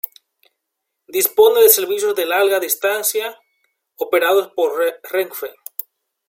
Dispone de servicios de Larga Distancia operados por Renfe.